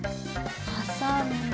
はさんで。